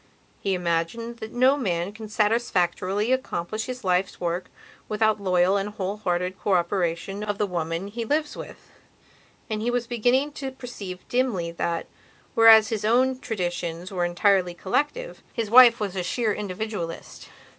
He imagined that no man can satisfactorily accomplish his life's work without loyal and whole hearted cooperation of the woman he lives with. And he was beginning to perceive dimly that, whereas his own traditions were entirely collective, his wife was a sheer individualist.